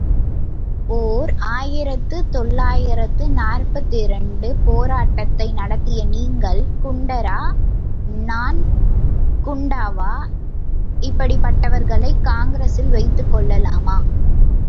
ஓர் ஆயிரத்து தொள்ளாயிரத்து நாற்பத்திரண்டு போராட்டத்தை நடத்திய நீங்கள் குண்டரா நான் குண்டாவா, இப்படிப்பட்டவர்களைக் காங்கிரசில் வைத்துக் கொள்ளலாமா?